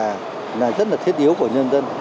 đây là một nhu cầu rất là thiết yếu của nhân dân